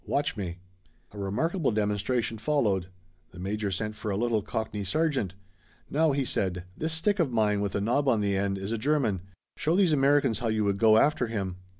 Watch me." A remarkable demonstration followed. The major sent for a little Cockney sergeant. "Now," he said, "this stick of mine with a knob on the end is a German. Show these Americans how you would go after him."